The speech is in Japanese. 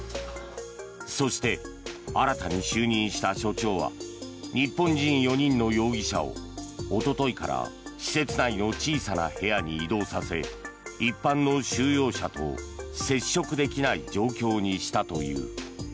そして、新たに就任した所長は日本人４人の容疑者をおとといから施設内の小さな部屋に移動させ一般の収容者と接触できない状況にしたという。